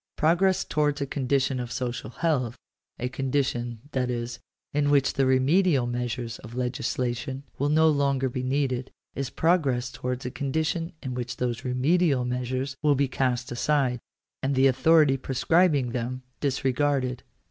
Progress towards a condition of social health — a < condition, that is, in which the remedial measures of legislation will no longer be needed, is progress towards a condition in \ which those remedial measures will be cast aside, and the. authority prescribing them disregarded.